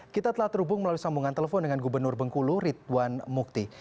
kita telah terhubung melalui sambungan telepon dengan gubernur bengkulu ridwan mukti